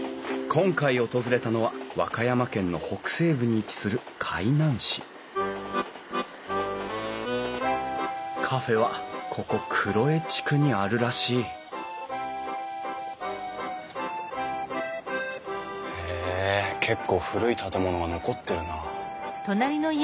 今回訪れたのは和歌山県の北西部に位置する海南市カフェはここ黒江地区にあるらしいへえ結構古い建物が残ってるな。